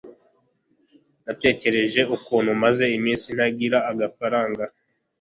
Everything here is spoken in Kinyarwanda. natekereje ukuntu maze iminsi ntagira agafaranga